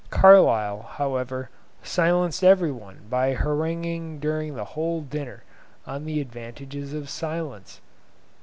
Carlyle, however, silenced every one by haranguing during the whole dinner on the advantages of silence.